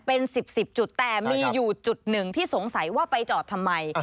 เป็น๑๐๑๐จุดแต่มีอยู่จุดหนึ่งที่สงสัยว่าไปจอดทำไม